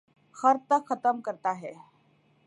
خر تک ختم کرتا ہے